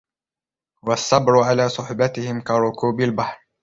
وَالصَّبْرُ عَلَى صُحْبَتِهِمْ كَرُكُوبِ الْبَحْرِ